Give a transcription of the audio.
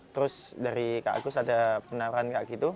terus dari kak agus ada penawaran